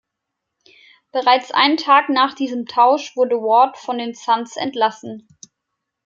Bereits einen Tag nach diesem Tausch wurde Ward von den Suns entlassen.